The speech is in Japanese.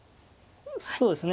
そうですね